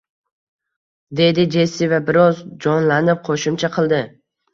dedi Jessi va biroz jonlanib qo`shimcha qildi